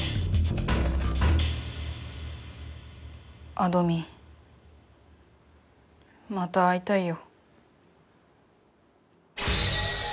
あどミンまた会いたいよ。